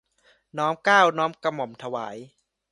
น้อมเกล้าน้อมกระหม่อมถวาย